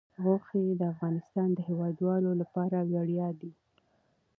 غوښې د افغانستان د هیوادوالو لپاره ویاړ دی.